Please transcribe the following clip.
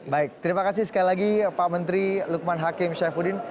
baik terima kasih sekali lagi pak menteri lukman hakim syafuddin